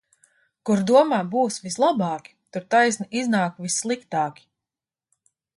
Kur domā būs vislabāki, tur taisni iznāk vissliktāki.